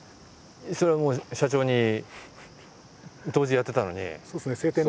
それはもう社長に杜氏やってたのに。